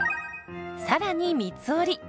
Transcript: さらに三つ折り。